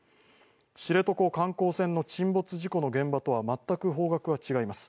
知床遊覧船の沈没事故の現場とは全く方角が違います。